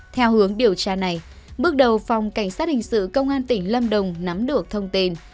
theo hướng điều tra này bước đầu phòng cảnh sát hình sự công an tỉnh lâm đồng nắm được thông tin